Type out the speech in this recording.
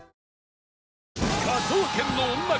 『科捜研の女』